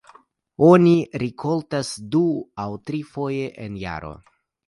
Oni rikoltas du aŭ trifoje en jaro.